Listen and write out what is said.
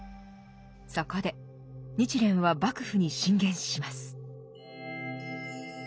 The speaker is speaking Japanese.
そこで日蓮は幕府に進言します。